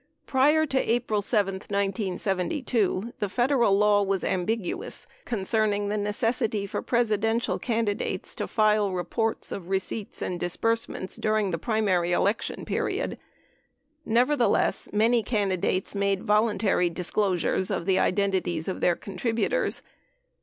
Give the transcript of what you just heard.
Prior to April 7, 1972, the Federal law was ambiguous concerning the necessity for Presidential candidates to file reports of receipts and disbursements during the primary election period. Nevertheless, many candidates made voluntary disclosures of the identities of their con tributors.